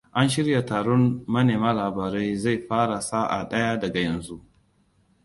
An shirya taron manema labarai zai fara sa'a daya daga yanzu.